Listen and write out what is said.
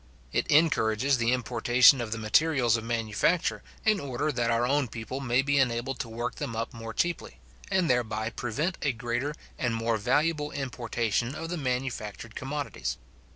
It encourages the importation of the materials of manufacture, in order that our own people may be enabled to work them up more cheaply, and thereby prevent a greater and more valuable importation of the manufactured commodities.